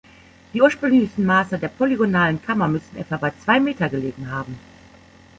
Die ursprünglichen Maße der polygonalen Kammer müssen etwa bei zwei Meter gelegen haben.